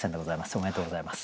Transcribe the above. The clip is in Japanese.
おめでとうございます。